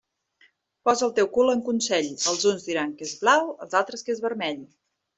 Posa el teu cul en consell, els uns diran que és blau, altres que és vermell.